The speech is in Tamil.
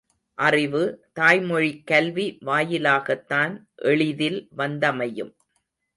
அறிவு, தாய்மொழிக் கல்வி வாயிலாகத்தான் எளிதில் வந்தமையும்.